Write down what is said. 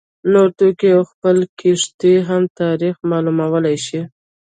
نور توکي او خپله کښتۍ هم تاریخ معلومولای شي